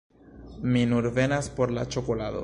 Mi nur venas por la ĉokolado